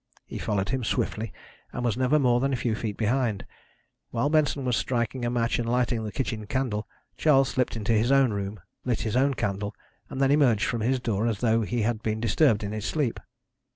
He followed him swiftly, and was never more than a few feet behind. While Benson was striking a match and lighting the kitchen candle Charles slipped into his own room, lit his own candle, and then emerged from his door as though he had been disturbed in his sleep.